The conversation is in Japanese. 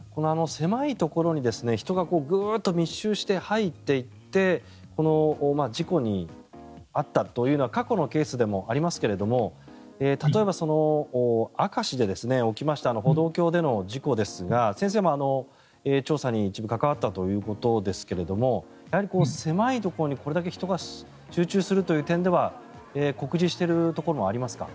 狭いところに人がグーッと密集して入っていって事故に遭ったというのは過去のケースでもありますが例えば、明石で起きました歩道橋での事故ですが先生も調査に一部関わったということですがやはり狭いところにこれだけ人が集中する点では酷似しているところもありますか？